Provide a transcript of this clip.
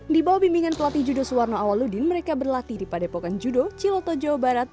di bawah bimbingan pelatih judo suwarno awaludin mereka berlatih di padepokan judo ciloto jawa barat